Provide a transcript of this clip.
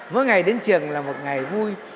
mỗi ngày đến trường là một ngày vui